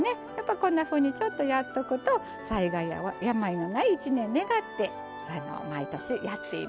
こんなふうにちょっとやっとくと災害や病のない一年願って毎年やっています。